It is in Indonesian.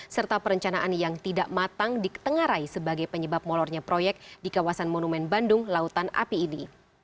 serta perencanaan yang tidak matang diketengarai sebagai penyebab molornya proyek di kawasan monumen bandung lautan api ini